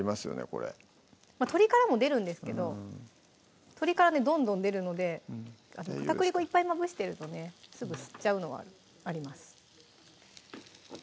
これ鶏からも出るんですけど鶏からねどんどん出るので片栗粉いっぱいまぶしてるとねすぐ吸っちゃうのはあります